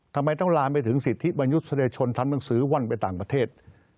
ทำไมต้องลามไปถึงสิทธิมนุษยชนทำหนังสือว่อนไปต่างประเทศ